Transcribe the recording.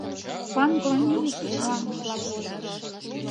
Ван-Грониус мландыш лап возо.